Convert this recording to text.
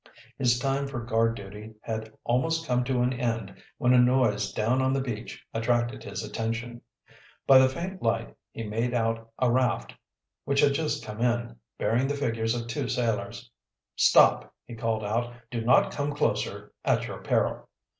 His time for guard duty had almost come to an end when a noise down on the beach attracted his attention. By the faint light he made out a raft, which had just come in, bearing the figures of two sailors. "Stop!" he called out. "Do not come closer at your peril!"